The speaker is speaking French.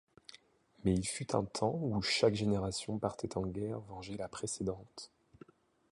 Mais il fut un temps où chaque génération partait en guerre venger la précédente.